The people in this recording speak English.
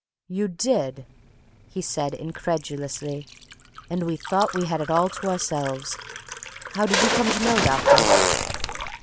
"You did!" he said, incredulously. "And we thought we had it all to ourselves! How did you come to know, doctor?"